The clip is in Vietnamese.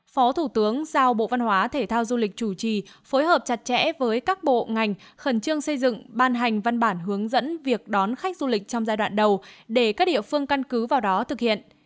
phó thủ tướng giao bộ văn hóa thể thao du lịch chủ trì phối hợp chặt chẽ với các bộ ngành khẩn trương xây dựng ban hành văn bản hướng dẫn việc đón khách du lịch trong giai đoạn đầu để các địa phương căn cứ vào đó thực hiện